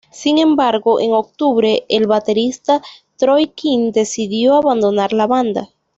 Sin embargo, en octubre, el baterista Troy King decidió abandonar la banda.